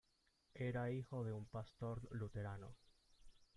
Era hijo de un pastor luterano.